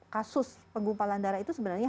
kasus penggumpalan darah itu sebenarnya